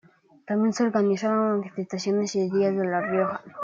Tambien se organizaron manifestaciones y días de La Rioja.